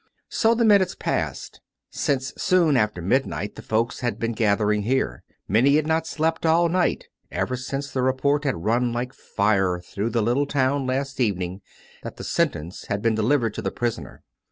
... So the minutes passed. ... Since soon after midnight the folks had been gathering here. Many had not slept all night, ever since the report had run like fire through the little town last evening, that the sentence had been de livered to the prisoner.